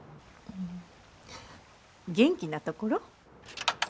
ん元気なところ？